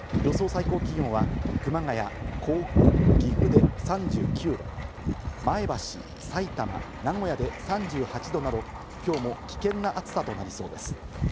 最高気温は熊谷、甲府、岐阜で３９度、前橋、埼玉、名古屋で３８度など、今日も危険な暑さとなりそうです。